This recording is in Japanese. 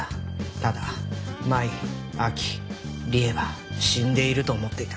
ただ麻衣亜希理恵は死んでいると思っていた。